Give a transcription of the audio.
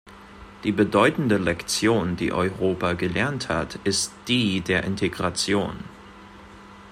Die bedeutende Lektion, die Europa gelernt hat, ist die der Integration.